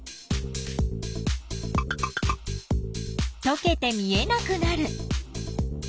とけて見えなくなる。